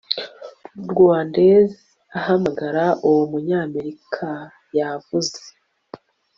rwandaisen amahanga w umunyamerika yavuze